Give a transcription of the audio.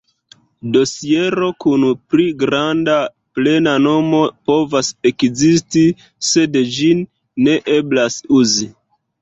Dosiero kun pli granda plena nomo povas ekzisti, sed ĝin ne eblas uzi.